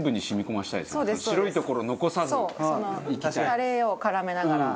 タレを絡めながら。